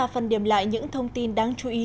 phần điểm lại những thông tin đáng chú ý